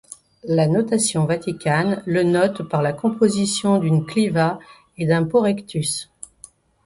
La notation vaticane le note par la composition d'une cliva et d'un porrectus.